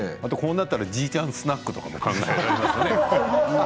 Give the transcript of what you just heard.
こうなったらじいちゃんスナックとかね。